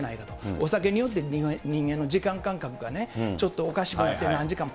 お酒によって人間の時間感覚がね、ちょっとおかしくなって、何時間も。